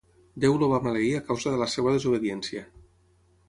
Déu el va maleir a causa de la seva desobediència.